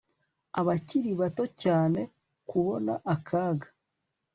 abakiri bato cyane kubona akaga